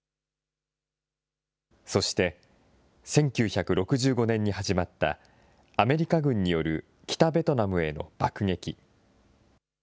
そして、１９６５年に始まった、アメリカ軍による北ベトナムへの爆撃。